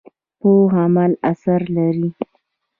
پوخ عمل اثر لري